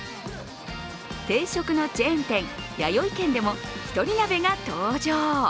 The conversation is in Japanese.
定食のチェーン店、やよい軒でも一人鍋が登場。